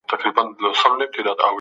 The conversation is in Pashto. دودونه د ټولنيز ژوند لاره روښانه کوي.